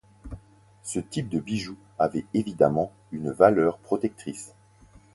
Ce type de bijoux avait évidemment une valeur protectrice.